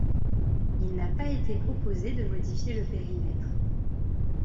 Il n'a pas été proposé de modifier le périmètre.